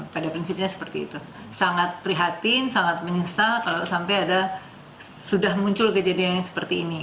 pada prinsipnya seperti itu sangat prihatin sangat menyesal kalau sampai ada sudah muncul kejadian seperti ini